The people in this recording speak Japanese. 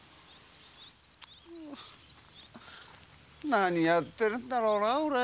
何をやってるんだろうな俺。